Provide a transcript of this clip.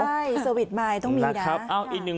ใช่สวิตช์มายต้องมีนะ